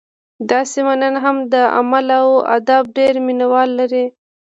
دا سیمه نن هم د علم او ادب ډېر مینه وال لري